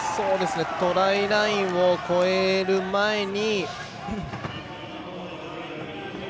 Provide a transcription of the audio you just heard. トライラインを越える前に。